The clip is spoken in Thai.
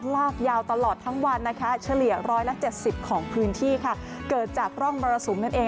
ลาคยาวตลอดทั้งวันนะคะเฉลี่ยร้อยละเจ็ดสิบของพื้นที่ค่ะเกิดจากร่องบรรณสูมนั่นเอง